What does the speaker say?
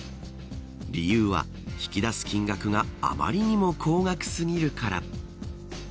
理由は、引き出す金額があまりにも高額すぎるから。